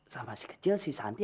sama si kecil si santi